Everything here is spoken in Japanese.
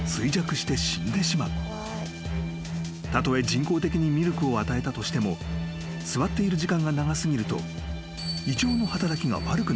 ［たとえ人工的にミルクを与えたとしても座っている時間が長過ぎると胃腸の働きが悪くなる］